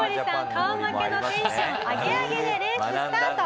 顔負けのテンションアゲアゲでレーススタート。